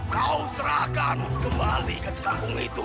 kau serahkan kembali ke kampung itu